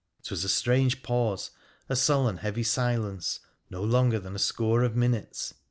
'Twas a strange pause, a sullen, heavy silence, no longer than a score of minutes.